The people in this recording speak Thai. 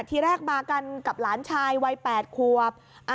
ทีแรกมากันกับหลานชายวัย๘ควบ